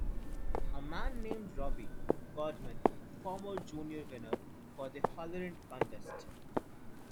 A man named Robby Goodman a former junior winner of the Hollerin' Contest.